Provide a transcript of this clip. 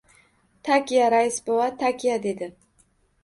— Takya, rais bova, takya! — dedi.